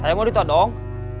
saya mau ditot dong